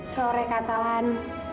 sore kak tawan